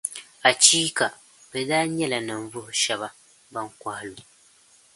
Achiika! Bɛ daa nyɛla ninvuɣu shεba ban kɔhi lu.